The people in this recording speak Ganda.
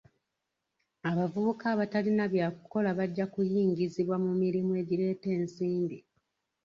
Abavubuka abatalina bya kukola bajja kuyingizibwa mu mirimu egireeta ensimbi.